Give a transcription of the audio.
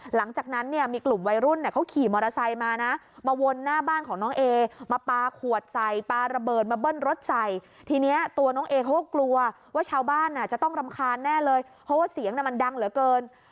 หลังจากนั้นเนี่ยมีกลุ่มวัยรุ่นเนี่ยเขาขี่มอเตอร์ไซค์มานะมาวนหน้าบ้านของน้องเอมาปลาขวดใส่ปลาระเบิดมาเบิ้ลรถใส่ทีนี้ตัวน้องเอเขาก็กลัวว่าชาวบ้านจะต้องรำคาญแน่เลยเพราะว่าเสียงน่ะมันดังเหลือเกิน